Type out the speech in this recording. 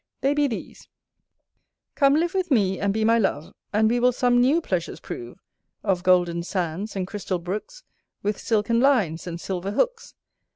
They be these: Come, live with me, and be my love, And we will some new pleasures prove, Of golden sands, and crystal brooks, With silken lines, and silver hooks.